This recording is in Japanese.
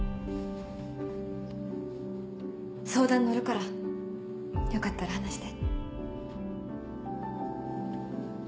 相談乗るからよかったら話して。